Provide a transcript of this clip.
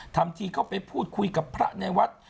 ทำทีเข้าไปพูดคุยกับพระในวัด